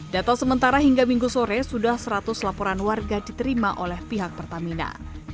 data sementara hingga minggu sore sudah seratus laporan warga diterima oleh pihak pertamina